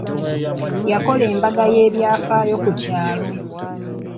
Yakola embaga y'ebyafaayo ku kyalo.